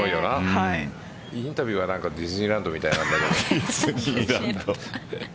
インタビューはディズニーランドみたいなんだけど。